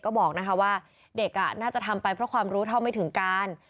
ก็บอกว่าเด็กน่าจะทำไปเพราะความรู้เท่าไม่ถึงการ